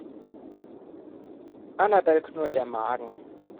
Annabel knurrt der Magen.